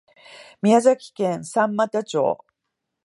宮崎県三股町